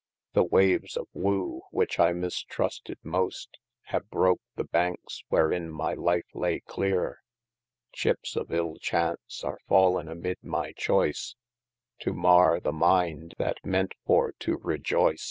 The waves of woo, which I mistrusted moste, Have broke the bankes wherein my life lay cleere : Chippes of ill chaunce, are fallen amyd my choyce, To marre the mynd, that ment for to rejoyce.